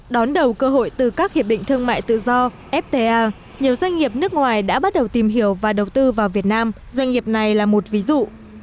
đón đầu cơ hội từ các hiệp định thương mại tự do fta nhiều doanh nghiệp nước ngoài đã bắt đầu tìm hiểu và đầu tư vào việt nam doanh nghiệp này là một ví dụ